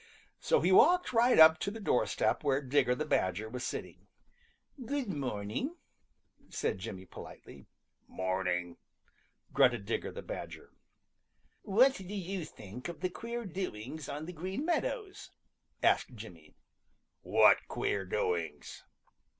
So he walked right up to the doorstep where Digger the Badger was sitting. [Illustration: 0052] "Good morning," said Jimmy politely. "Morning," grunted Digger the Badger. "What do you think of the queer doings on the Green Meadows?" asked Jimmy. "What queer doings?"